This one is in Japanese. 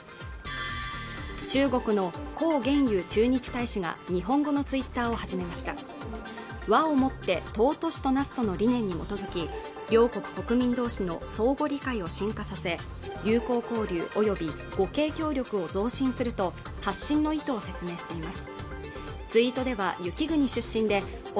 中国の孔鉉佑駐日大使が日本語のツイッターを始めました和をもって尊しとなすとの理念に基づき両国国民同士の相互理解を深化させ友好交流および互恵協力を増進すると発信の意図を説明しています